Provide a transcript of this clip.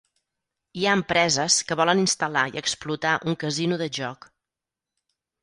Hi ha empreses que volen instal·lar i explotar un casino de joc.